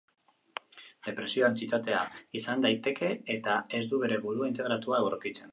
Depresioa, antsietatea izan ditzake eta ez du bere burua integratua aurkitzen.